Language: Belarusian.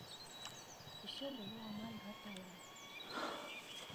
Усё было амаль гатова.